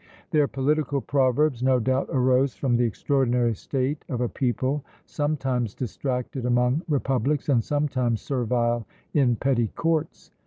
Their political proverbs no doubt arose from the extraordinary state of a people sometimes distracted among republics, and sometimes servile in petty courts.